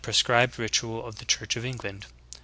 scribed ritual of the Church of England.